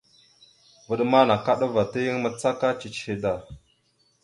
Vvaɗ ma nakaɗava ta yan macaka ciche da.